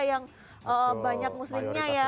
yang banyak muslimnya ya